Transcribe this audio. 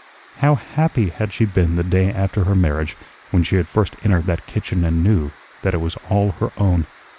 How happy had she been the day after her marriage when she had first entered that kitchen and knew that it was all her own!